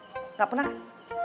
nggak pernah kan